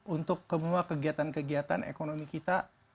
untuk semua kegiatan kegiatan ekonomi kita